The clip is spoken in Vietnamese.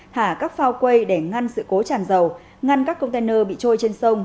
thả các phao quây để ngăn sự cố tràn dầu ngăn các container bị trôi trên sông